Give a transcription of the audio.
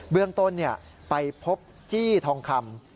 เรื่องต้นไปพบจี้ทองคำ